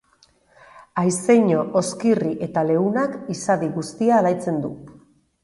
Haizeño hozkirri eta leunak izadi guztia alaitzen du.